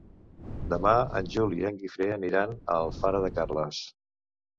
Demà en Juli i en Guifré aniran a Alfara de Carles.